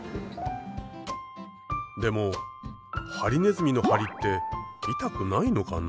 でもハリネズミの針って痛くないのかな？